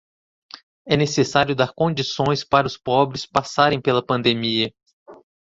É necessário dar condições para os pobres passarem pela pandemia